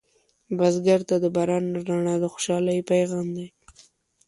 بزګر ته د باران رڼا د خوشحالۍ پیغام دی